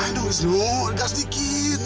aduh wisnu gas dikit